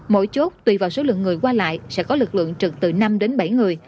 mỗi chốt tùy vào số lượng người qua lại sẽ có lực lượng trực từ năm đến bảy người